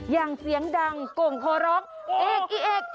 ยังเสียงดังกงโฮร็อกเอกเอก